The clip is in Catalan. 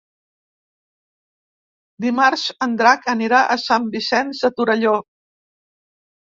Dimarts en Drac anirà a Sant Vicenç de Torelló.